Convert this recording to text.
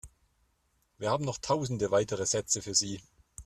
Wir haben noch tausende weitere Sätze für Sie.